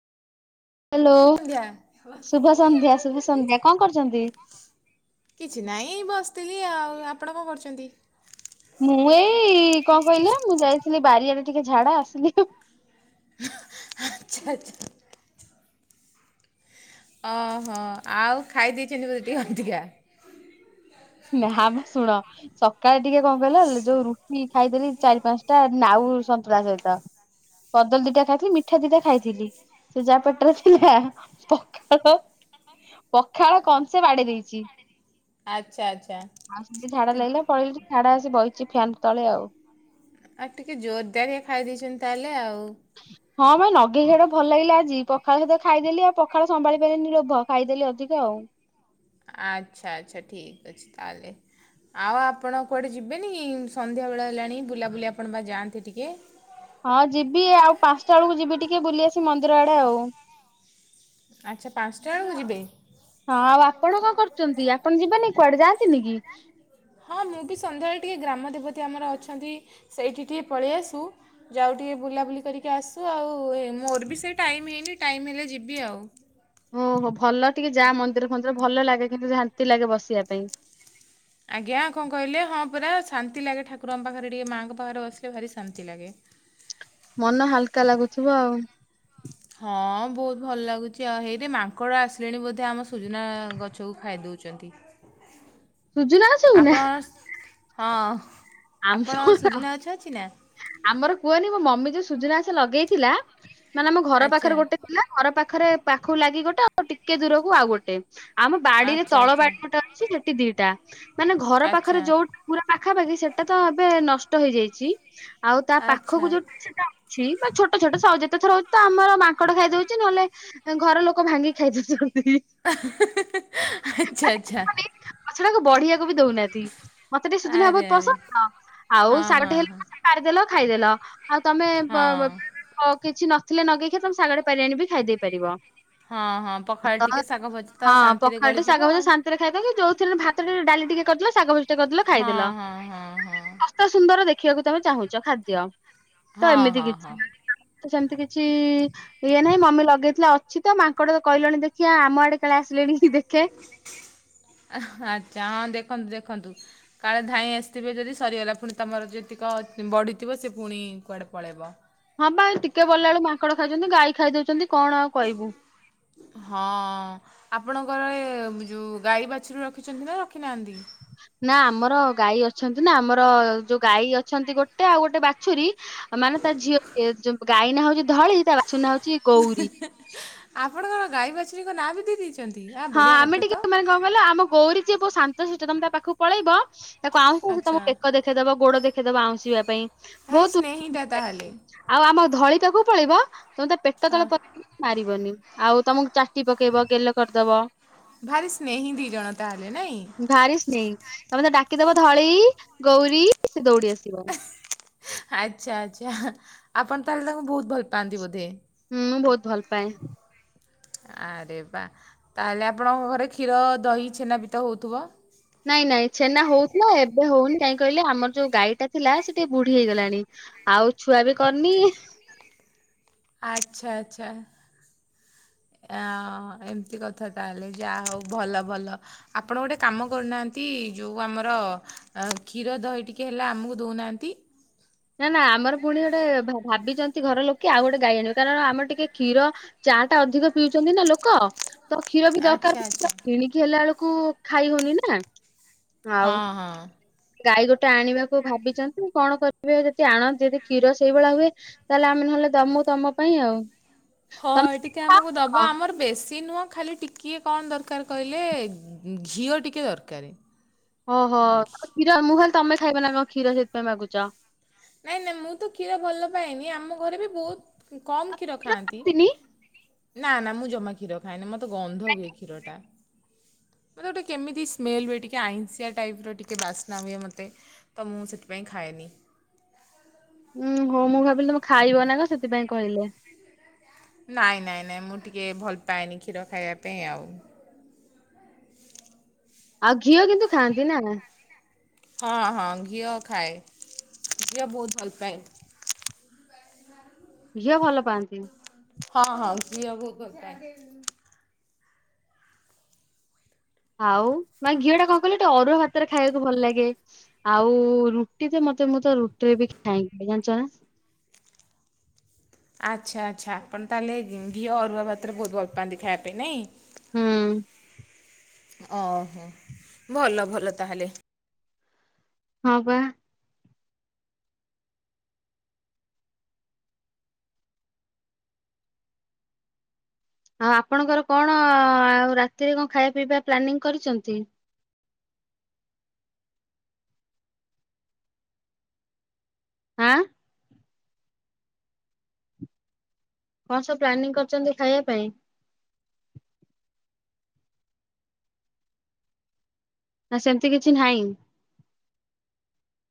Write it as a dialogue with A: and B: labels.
A: Hello
B: ସନ୍ଧ୍ୟା
A: ଶୁଭ ସନ୍ଧ୍ୟା ଶୁଭ ସନ୍ଧ୍ୟା। କଣ କରୁଚନ୍ତି?
B: କିଛି ନାହିଁ ବସିଥିଲି ଆଉ। ଆପଣ କଣ କରୁଚନ୍ତି?
A: ମୁଁ ଏଇ କଣ କହିଲେ ମୁଁ ଯାଇଥିଲି ବାରିଆଡେ ଟିକେ ଝାଡା ଆସିଲି ଆଉ
B: ଆଚ୍ଛା ଆଚ୍ଛା। ଓହୋ। ଆଉ ଖାଇ ଦେଇଚନ୍ତି ବୋଧେ ଟିକେ ଅଧିକା?
A: ନା ମ ଶୁଣ ସକାଳେ ଟିକେ କଣ କହିଲ ଯୋଉ ରୁଟି ଖାଇଦେଲି ଚାରି ପାଞ୍ଚଟା ନାଉ ସନ୍ତୁରା ସହିତ। କଦଳ ଦିଟା ଖାଇଥିଲି ମିଠା ଦିଟା ଖାଇଥିଲି ସେ ଜା ପେଟରେ ଥିଲା ପଖାଳ ପଖାଳ କସେ ବାଡେଇ ଦେଇଚି।
B: ଆଚ୍ଛା ଆଚ୍ଛା।
A: ଆଉ ସେମତି ଝାଡା
B: ତ
A: ଲାଗିଲା ପଳେଇଲି ଟିକେ ଝାଡା ଆସି ବଇଚି ଫ୍ୟନ୍ ତଳେ ଆଉ।
B: ଆଉ ଟିକେ ଜୋରଦାରିଆ ଖାଇ ଦେଇଚନ୍ତି ତାହେଲେ ଆଉ?
A: ହଁ ମ ନଗେଇ ଖିଆ ଟା ଭଲ ଲାଗିଲା ଆଜି ପଖାଳ ସହିତ ଖାଇଦେଲି ଆଉ ପଖାଳ ସମ୍ଭାଳି ପାରିଲିନି ଲୋଭ। ଖାଇଦେଲି ଅଧିକା ଆଉ
B: ଆଚ୍ଛା ଆଚ୍ଛା ଠିକ୍ ଅଛି ତାହେଲେ। ଆଉ ଆପଣ କୁଆଡ଼େ ଯିବେନି ସନ୍ଧ୍ୟାବେଳ ହେଲାଣି ବୁଲାବୁଲି ଆପଣ ବା ଯାଆନ୍ତି ଟିକେ
A: ହଁ ଯିବି ଆଉ ପାଞ୍ଚଟା ବେଳକୁ ଯିବି ଟିକେ ବୁଲି ଆସି ମନ୍ଦିର ଆଡେ ଆଉ
B: ଆଚ୍ଛା ପାଞ୍ଚଟା ବେଳକୁ ଯିବେ?
A: ହଁ ଆଉ ଆପଣ କଣ କରୁଛନ୍ତି ଆପଣ ଯିବେନି କୁଆଡେ ଯାଆନ୍ତିନି କି?
B: ହଁ ମୁଁ ବି ସନ୍ଧ୍ୟାବେଳେ ଟିକିଏ ଗ୍ରାମ ଦେବତୀ ଆମର ଅଛନ୍ତି ସେଇଠି ଟିକିଏ ପଳେଇ ଆସୁ ଯାଉ ଟିକେ ବୁଲାବୁଲି କରିକି ଆସୁ ଆଉ ମୋର ବି ସେ ଟାଇମ୍ ହେଇନି ଟାଇମ୍ ହେଲେ ଯିବି ଆଉ।
A: ଓ ହୋ ଭଲ ଟିକେ ଯା ମନ୍ଦିର ମନ୍ଦିର ଭଲ ଲାଗେ କିନ୍ତୁ ଶାନ୍ତି ଲାଗେ ବସିବା ପାଇଁ।
B: ଆଜ୍ଞା କଣ କହିଲେ ହଁ ପୁରା ଶାନ୍ତି ଲାଗେ ଠାକୁରଙ୍କ ପାଖରେ ଟିକେ ମାଆଙ୍କ ପାଖରେ ବସିଲେ ଭାରି ଶାନ୍ତି ଲାଗେ।
A: ମନ ହାଲକା ଲାଗୁଥିବ ଆଉ।
B: ହଁ ବହୁତ ଭଲ ଲାଗୁଛି ଆଉ ହେଇରେ ମାଙ୍କଡ ଆସିଲେଣି ବୋଧେ ଆମ ସୁଜନା ଗଛ ଛଉ ଖାଇ ଦେଉଛନ୍ତି
A: [inaudible] ଛୁଉଁ ନା।
B: ଆପଣ ହଁ
A: ଆମ
B: ଆପଣ ସୁଜନା ଗଛ ଅଛି ନା?
A: ଆମର କୁହନି ମୋ ମମି ଯୋଉ ସୁଜନା ଆଛ ଲଗେଇଥିଲା ମାନେ ଆମ ଘର
B: ଆଚ୍ଛା
A: ପାଖରେ ଗୋଟେ ଥିଲା ଘର ପାଖରେ ପାଖକୁ ଲାଗି ଗୋଟେ ଆଉ ଟିକେ ଦୂରକୁ ଆଉ ଗୋଟେ ଆମ ବାଡିରେ
B: ଆଚ୍ଛା
A: ତଳ
B: ଆଚ୍ଛା
A: ବାଡି ଗୋଟେ ଅଛି ସେଠି ଦିଟା ମାନେ ଘର ପାଖରେ
B: ଆଚ୍ଛା
A: ଯୋଉଟା ପୁରା ପାଖାପାଖି ସେଟା ତ ଏବେ ନଷ୍ଟ ହେଇଯାଇଛି ଆଉ ତା ପାଖକୁ
B: ଆଚ୍ଛା।
A: ଯୋଉଟା ସେଟା ଅ ବା ଛୋଟ ଛୋଟ ସ ଯେତେ ଥର ହଉଛି ତ ଆମର ମାଙ୍କଡ ଖାଇଦଉଛି ନହେଲେ ଘର ଲୋକ ଭାଙ୍ଗି ଖାଇଦଉଛୁ। ଆଉକୁହନି ଗଛଡାକୁ ବଢିଆ ବି ଦଉନାହାନ୍ତି ମତେ ଟିକେ ସୁଜନା
B: ଆରେ
A: ବହୁତ
B: ଆରେ
A: ପସନ୍ଦ ଆଉ
B: ହଁ
A: ଶାଗେ
B: ହଁ
A: ହେଲା
B: ହଁ
A: ପାରିଦେଲ ଖାଇଦେଲ ଆଉ ତମେ
B: ହଁ
A: ହଉ କିଛି ନଥିଲେ ନଗେଇକି ତମେ ସାଗଡେ ପାରି ଆଣ ବି ଖାଇଦେଇ ପାରିବ।
B: ହଁ ହଁ ପଖାଳ
A: ତ
B: ଟିକେ ଶାଗ ଭଜା ତ
A: ହଁ
B: ଶାନ୍ତିରେ
A: ପଖାଳଟ
B: ଗଳିଯିବ
A: ସାଗ ବ ଶନ୍ତରେ ଖାଇଦ ଯଉରେ ଭାତ ଟେ ଡାଲି ଟିକେ କରିଦେ ସ ଶାଗ ଭଜି ଟାଦେଲ
B: ଆଉ
A: ଖାଇଦଲ।
B: ହଁ ହଁ ହଁ।
A: ଅ ସୁନ୍ଦର ଦେଖିବାକୁ ତମେ ଚାହୁଁଛ ଖାଦ୍ୟ। ତ
B: ହଁ
A: ଏମିତି
B: ହଁ
A: କିଛି
B: ହଁ।
A: ସେମିତି କିଛି ଇଏ ନାହିଁ ମମି ଲଗେଇଥିଲେ ଆଉ। ସେ ତ ମାଙ୍କଡ ତ କହିଲଣି ଦେଖିବାଆ ଆମ ଆଡେ କାଳେ ଆସିଲେଣି କି ଦେଖେ।
B: ଆଚ୍ଛା ହଁ ଦେଖନ୍ତୁ ଦେଖନ୍ତୁ। କାଳେ ଧାଇଁ ଆସିଥିବେ ଯଦି ସରିଗଲା, ପୁଣି ତୁମର ଯେତିକ ବଢ଼ିଥିବ ସେ ପୁଣି କୁଆଡ଼େ ପଳାଇବ।
A: ହଁ ବା ଟିକେ ଗଲାଆଳକୁ ମାଙ୍କଡ ଖାଇଦେଉଛନ୍ତି ଗାଈ ଖାଇଦଉଛନ୍ତି କଣ ଆଉ କହିବୁ।
B: ହଁ ଆପଣଙ୍କର ଯୋଉ ଗାଈ ବାଛୁରି ରଖିଛନ୍ତି ନା ରଖିନାହାନ୍ତି?
A: ନା ଆମର ଗାଈ ଅଛନ୍ତି ନା ଆମର ଯୋଉ ଗାଈ ଅଛନ୍ତି ଗୋଟେ ଆଉ ଗୋଟେ ବାଛୁରୀ ମାନେ ତା ଝିଅ ଏ-ଯ ଗାଈ ନା ହଉଛି ଧଳି ତା ବାଛୁରି ନା ହଉଛି ଗୌରୀ।
B: ଆପଣଙ୍କର ଗାଈ ବାଛୁରୀଙ୍କ ନାଁ ବି ଦେଇ ଦେଇଛୁ।
A: ହଁ ଆମେ ଟିକେ ମାନେ କଣ କହିଲ ଆମ ଗୌରୀ ଯିଏ ବହୁତ ଶାନ୍ତ ଶିଷ୍ଟ ତମେ ତା ପାଖକୁ ପଳେଇବ ତାକୁ ଆଉ କହୁ
B: ଆଚ୍ଛା
A: ବେକ ଦେଖେଇଦବ ଗୋଡ ଦେଖେଇଦବ ଆଉଁସିବା ପାଇଁ
B: ଭାରି
A: ବହୁତ,
B: ସ୍ନେହିଟା ତାହେଲେ
A: ଆଉ ଆମ ଧଳି ପାଖକୁ ପଳେଇିବ ତମେ ତା ପେଟ
B: ହଁ
A: ତଳେ ପ ମାରିବନି ଆଉ ତମକୁ ଚାଟି ପକେଇବ ଗେଲ କରିଦବ।
B: ଭାରି ସ୍ନେହୀ ଦି ଜଣ ତା ହେଲେ ନାଇଁ?
A: ଭାରି ସ୍ନେହୀ ତମେ ତାକୁ ଡାକିଦବ ଧଳି ଗୌରୀ ସେ ଦୌଡି ଆସିବ।
B: ଆଚ୍ଛା ଆଚ୍ଛା ଆପଣ ତାହେଲେ ତାଙ୍କୁ ବହୁତ ଭଲ ପାଆନ୍ତି ବୋଧେ?
A: ହୁଁ ମୁଁ ବହୁତ ଭଲ ପାଏ।
B: ଆରେ ବା ତାହେଲେ ଆପଣଙ୍କ ଘରେ କ୍ଷୀର ଦହି ଛେନା ବି ତ ହଉଥିବ?
A: ନାଇଁ ନାଇଁ ଛେନା ହଉଥିଲା ଏବେ ହଉନି କାଇହିଁ କହିଲେ ଆମର ଯୋଉ ଗାଈଟା ଥିଲା ସେ ଟିକେ ବୁଢୀ ହେଇଗଲାଣି। ଆଉ ଛୁଆ ବି କରିନି।
B: ଆଚ୍ଛା ଆଚ୍ଛା। ଆ ଏମିତି କଥା ତାହେଲେ ଯାହା ହଉ ଭଲ ଭଲ। ଆପଣ ଗୋଟେ କାମ କରୁନାହାଁନ୍ତି ଯଉଁ ଆମର ଅ କ୍ଷୀର ଦହି ଟିକଏ ହେଲେ ଆମକୁ ଦଉନାହାନ୍ତି?
A: ନା ନା ଆମର ପୁଣି ଗୋଟେ ଭ ଭାବିଚନ୍ତି ଘର ଲୋକେ ଆଉ ଗୋଟେ ଗାଇ ଆଣିବେ କାରଣ ଆମର ଟିକେ କ୍ଷୀର ଚା ଟା ଅଧିକ ପିଉଚନ୍ତି ନା ଲୋକ ତ କ୍ଷୀର ବି
B: ଆଚ୍ଛା
A: ଦରକାର
B: ଆଚ୍ଛା
A: ପ କିଣିକି ଚି ହେଲା ବେଳକୁ ଖାଇ ହଉନି ନା। ଆଉ
B: ହଁ ହଁ।
A: ଗାଈ ଗୋଟେ ଆଣିବାକୁ ଭାବିଚନ୍ତି କଣ କରିବେ ଯଦି ଆଣନ୍ତି ଯଦି କ୍ଷୀର ସେଇଭଳିଆ ହୁଏ ତାହେଲେ ଆମେ ନହେଲେ ଦମୁ ତମ ପାଇଁ ଆଉ। ତମେ
B: ହଁ ଟିକେ
A: ଖାଅ ନା
B: ଆମକୁ
A: କଣ
B: ଦବା ଆମର ବେଶୀ ନୁହଁ ଖାଲି ଟି କିଏ କଣ ଦରକାର କହିଲେ ଘି ଘିଅ ଟିକେ ଦରକାର।
A: ଓହୋ
B: ଘି-
A: କ୍ଷୀର ମୁଁ ଭାବିଲି ତମେ ଖାଇବ ନା କଣ କ୍ଷୀର ସେଇଥିପାଇଁ ମାଗୁଚ।
B: ନାଇଁ ଲ ମୁଁ ତ କ୍ଷୀର ଭଲ ପାଏନି ଆମ ଘରେ ବି ବହୁତ କମ୍ କ୍ଷୀର ଖାଆନ୍ତି, ନା ନା ମୁଁ ଜମା କ୍ଷୀର ଖାଏନି। ମତ ତ ଗନ୍ଧ ହୁଏ କ୍ଷୀରଟା। ମତେ ଗୋଟେ କେମିତି ସ୍ମେଲ ହୁଏ ଟିକେ ଆଇଁସିଆ ଟାଇପ ର ଟିକେ ବାସ୍ନା ହୁଏ ମତେ। ତ ମୁଁ ସେଥିପାଇଁ ଖାଏନି।
A: ଉୁଁ ହଉ ମୁଁ ଭାବିଲି ତମେ ଖାଇବ ନା କ ସେଥିପାଇଁ କହିଲେ।
B: ନାଇଁ ନାଇଁ ନାଇଁ ମୁଁ ଟିକେ ଭଲ ପାଏନି କ୍ଷୀର ଖାଇବା ପାଇଁ ଆଉ।
A: ଆଉ ଘିଅ କିନ୍ତୁ ଖାଆନ୍ତି ନା?
B: ହଁ ହଁ ଘିଅ ଖାଏ। ଘିଅ ବହୁତ ଭଲ ପାଏ।
A: ଝିଅ ଭଲ ପାଆନ୍ତି?
B: ହଁ ହଁ ଘିଅ ବହୁତ ଭଲପାଏ।
A: ଆଉ ନାଇଁ ଘିଅ ଟା କଣ କହିଲେ ଟିକେ ଅରୁଆ ଭାତରେ ଖାଇବାକୁ ଭଲ ଲାଗେ। ଆଉ ରୁଟି ତ ମତେ ମୁଁ ତ ରୁଟିରେ ବି ଖାଏନି ଜାଣିଚ ନା?
B: ଆଚ୍ଛା ଆଚ୍ଛା ଆପଣ ତାହେଲେ ଘିଅ ଅରୁଆ ଭାତରେ ବହୁତ ଭଲ ପାଆନ୍ତି ଖାଇବା ପାଇଁ ନାଇଁ?
A: ହୁଁ।
B: ଓହୋ ଭଲ ଭଲ ତାହେଲେ।
A: ହଁ ପା। ଆଉ ଆପଣଙ୍କର କଣ ଆଉ ରାତିରେ କଣ ଖାଇବା ପିଇବା ପ୍ଲାନିଂ କରିଚନ୍ତି? ଆଁ? କଣ ସବୁ ପ୍ଲାନିଂ କରିଚନ୍ତି ଖାଇବା ପାଇଁ? ନା ସେମିତି କିଛି ନାହିଁ।